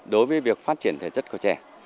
đối với việc phát triển thể chất của trẻ